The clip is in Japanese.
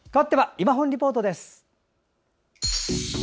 「いまほんリポート」。